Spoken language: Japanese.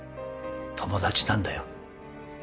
友達なんだよ